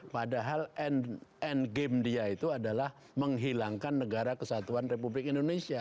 padahal end game dia itu adalah menghilangkan negara kesatuan republik indonesia